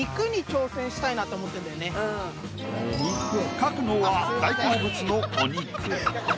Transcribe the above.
描くのは大好物のお肉。